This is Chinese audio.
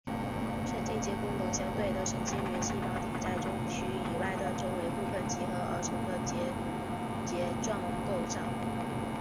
神经节是功能相同的神经元细胞体在中枢以外的周围部位集合而成的结节状构造。